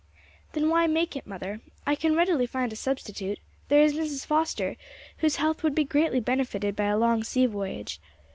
"Then why make it, mother? I can readily find a substitute; there is Mrs. Foster, whose health would be greatly benefited by a long sea voyage.